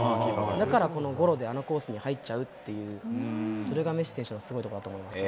だからこのゴロであのコースに入っちゃうっていう、それがメッシ選手のすごいところだと思いますね。